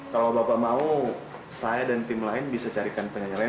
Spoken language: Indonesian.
kalau bapak mau saya dan tim lain bisa carikan penyanyi lain